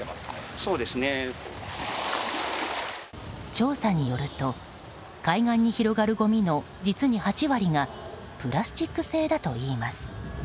調査によると海岸に広がるごみの実に８割がプラスチック製だといいます。